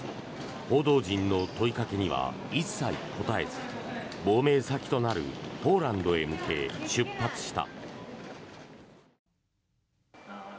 報道陣の問いかけには一切答えず亡命先となるポーランドへ向け出発した。